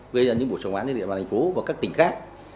gây ra những bộ trọng án trên địa bàn thành phố và các tỉnh khác